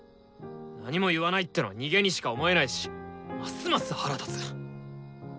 何も言わないってのは逃げにしか思えないしますます腹立つ。